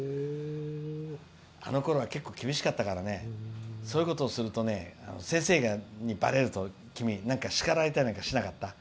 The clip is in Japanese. あのころは結構、厳しかったからそういうことをすると先生にばれたりして叱られたりしなかった？